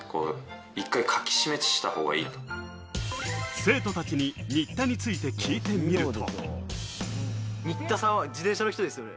生徒たちに新田について聞いてみると。